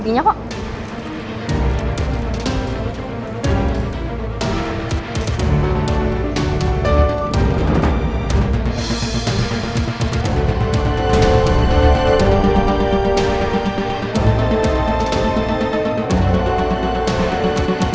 tidak ada apa apa